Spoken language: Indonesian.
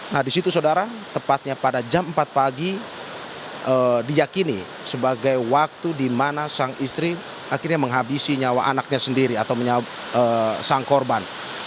nah di situ saudara tepatnya pada jam empat pagi diyakini sebagai waktu di mana sang istri akhirnya menghabisi nyawa anaknya sendiri atau sang korban